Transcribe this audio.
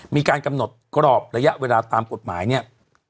มีการกำหนดกรอบระยะเวลาตามกฎหมายเนี่ย